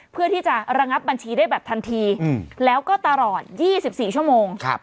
เพื่อที่จะระงับบัญชีได้แบบทันทีแล้วก็ตลอด๒๔ชั่วโมง